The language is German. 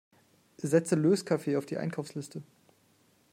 Setze Löskaffee auf die Einkaufsliste!